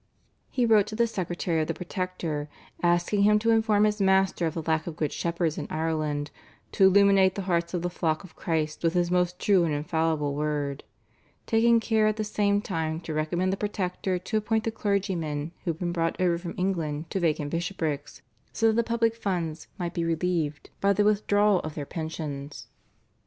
He wrote to the secretary of the Protector asking him to inform his master of the lack of good shepherds in Ireland "to illuminate the hearts of the flock of Christ with His most true and infallible word," taking care at the same time to recommend the Protector to appoint the clergymen who had been brought over from England to vacant bishoprics, so that the public funds might be relieved by the withdrawal of their pensions.